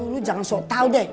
lu jangan sotau deh